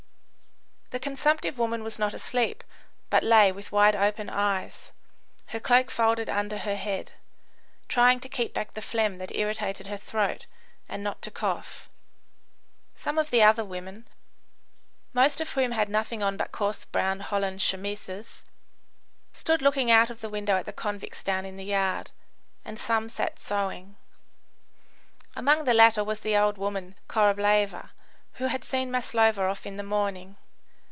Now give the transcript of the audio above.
The consumptive woman was not asleep, but lay with wide open eyes, her cloak folded under her head, trying to keep back the phlegm that irritated her throat, and not to cough. Some of the other women, most of whom had nothing on but coarse brown holland chemises, stood looking out of the window at the convicts down in the yard, and some sat sewing. Among the latter was the old woman, Korableva, who had seen Maslova off in the morning.